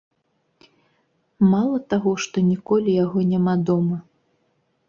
Мала таго, што ніколі яго няма дома.